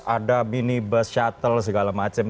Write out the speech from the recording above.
ada mini bus shuttle segala macam